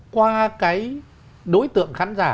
qua cái đối tượng khán giả